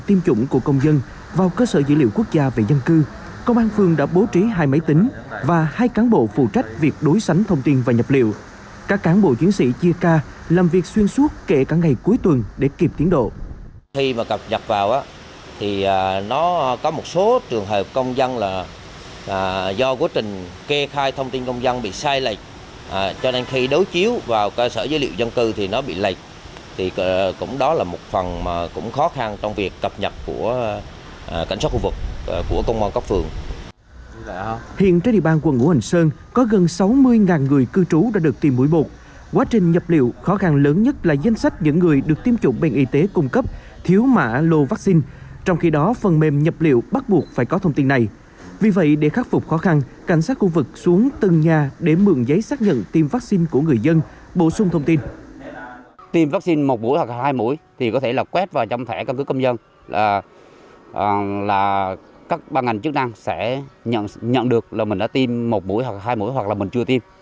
tiêm vaccine một mũi hoặc hai mũi thì có thể là quét vào trong thẻ căn cứ công dân là các ban ngành chức năng sẽ nhận được là mình đã tiêm một mũi hoặc hai mũi hoặc là mình chưa tiêm